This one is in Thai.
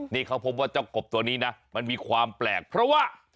นี่เขาพบว่าเจ้ากบตัวนี้นะมันมีความแปลกเพราะว่า